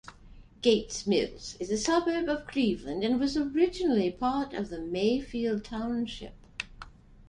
Gates Mills is a suburb of Cleveland and was originally part of Mayfield Township.